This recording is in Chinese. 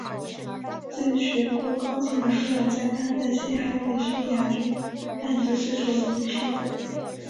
自学过钢琴的科尔在他的嘻哈乐生涯中扮演着制作人的身份。